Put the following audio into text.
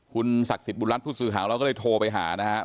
คุณศักดิ์สิทธิบุญรัฐผู้สื่อข่าวเราก็เลยโทรไปหานะครับ